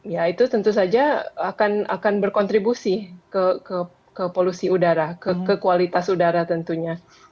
ya itu tentu saja akan berkontribusi ke polusi udara ke kualitas udara tentunya